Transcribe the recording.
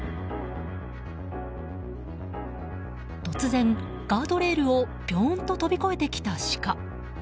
突然、ガードレールをぴょーんと飛び越えてきたシカ。